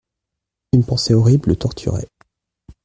Une pensée horrible le torturait.